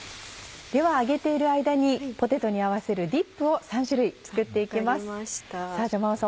では揚げている間にポテトに合わせるディップを３種類作って行きます真央さん